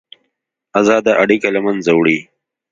ازاده اړیکه له منځه ولاړه.